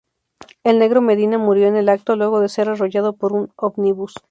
El Negro Medina murió en el acto luego de ser arrollado por un ómnibus.